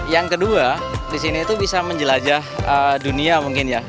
yang kedua di sini itu bisa menjelajah dunia mungkin ya